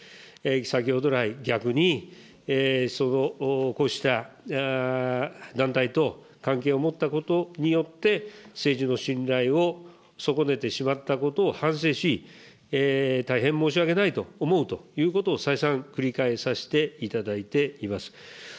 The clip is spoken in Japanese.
先ほど来、逆にこうした団体と関係を持ったことによって、政治の信頼を損ねてしまったことを、反省し、大変申し訳ないと思うということを再三、繰り返させていただいています。